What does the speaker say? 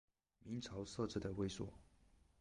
明朝设置的卫所。